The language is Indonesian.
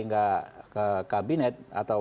nggak ke kabinet atau